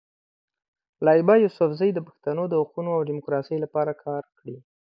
لایبا یوسفزۍ د پښتنو د حقونو او ډیموکراسۍ لپاره کار کړی.